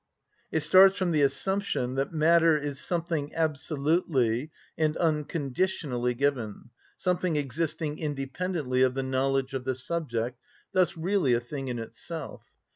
It starts from the assumption that matter is something absolutely and unconditionally given, something existing independently of the knowledge of the subject, thus really a thing in itself.